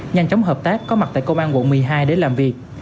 nhanh chóng hợp tác có mặt tại công an quận một mươi hai để làm việc